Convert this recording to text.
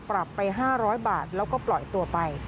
ปรับไป๕๐๐บาทแล้วก็ปล่อยตัวไป